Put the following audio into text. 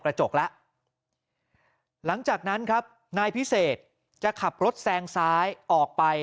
กระจกแล้วหลังจากนั้นครับนายพิเศษจะขับรถแซงซ้ายออกไป